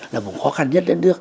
là vùng khó khăn nhất đất nước